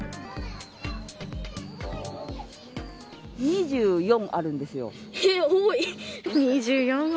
２４あるんですよ。